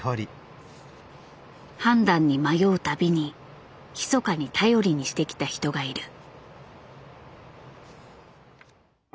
判断に迷うたびにひそかに頼りにしてきた人がいる。